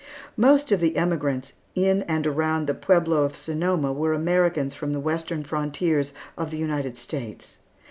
Most of the emigrants in and around the Pueblo of Sonoma were Americans from the western frontiers of the United States.